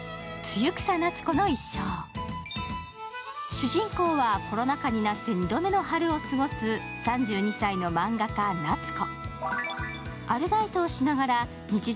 主人公は、コロナ禍になって２度目の春を過ごす３２歳のマンガ家・ナツコ。